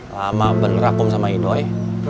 lama bener akum sama idoi